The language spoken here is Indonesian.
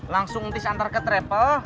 langsung atutis antar ke trepel